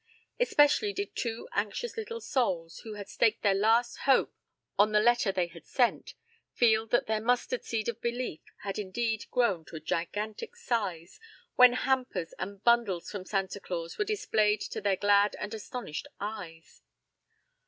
Especially did two anxious little souls, who had staked their last hope on the letter they had sent, feel that their mustard seed of belief had indeed grown to gigantic size when hampers and bundles from Santa Claus were displayed to their glad and astonished eyes.